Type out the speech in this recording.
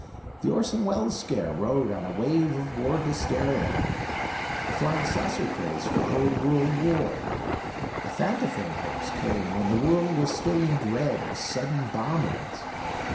The Orson Welles scare rode on a wave of war hysteria; the Flying Saucer craze followed world war; the Fantafilm hoax came when the world was still in dread of sudden bombings.